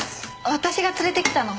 私が連れてきたの。